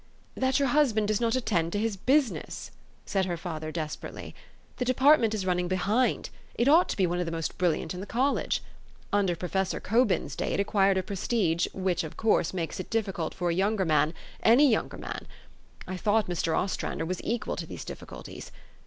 '' That your husband does not attend to his busi ness," said her father desperately. "The depart ment is running behind. It ought to be one of the most brilliant in the college. Under Professor Co THE STORY OF AVIS. 315 bin's day it acquired a prestige, which, of course, makes it difficult for a younger man, any younger man. I thought Mr. Ostrander was equal to these difficulties.